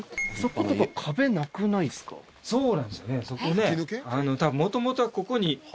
そうなんですよねそこね。